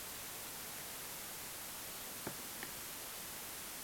Sestával ze zemského hejtmana a čtyř členů volených sněmem.